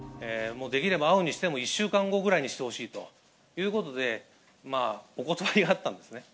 もうできれば、会うにしても１週間後ぐらいにしてほしいということで、お断りがあったんですね。